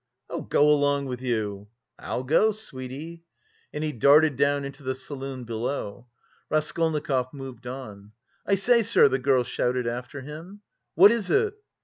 "Go along with you!" "I'll go, sweetie!" And he darted down into the saloon below. Raskolnikov moved on. "I say, sir," the girl shouted after him. "What is it?"